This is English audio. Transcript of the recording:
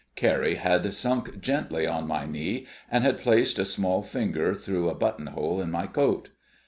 Carrie had sunk gently on my knee, and had placed a small finger through a buttonhole of my coat.